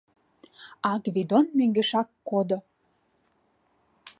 А Гвидон мӧҥгешак кодо